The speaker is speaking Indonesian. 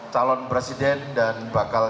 calon presiden dan bakal